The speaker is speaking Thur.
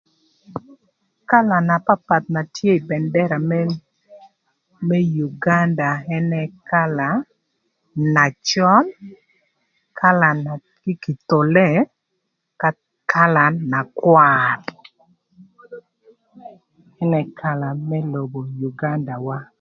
Kala na papath na tye ï bëndëra më Uganda, ënë kala na cöl, kala kithole, ëka kala na kwar ënë kala më lobo Ugandawa.